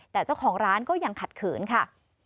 แต่เจ้าของร้านก็ยังขัดขืนค่ะ